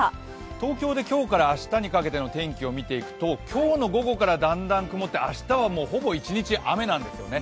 東京で今日から明日にかけての天気を見ていくと今日の午後からだんだん曇って明日はほぼ一日雨なんですよね。